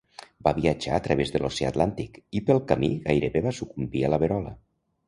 Va viatjar a través de l'Oceà Atlàntic i pel camí gairebé va sucumbir a la verola.